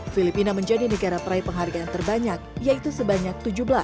filipina menjadi negara peraih penghargaan terbanyak yaitu sebanyak tujuh belas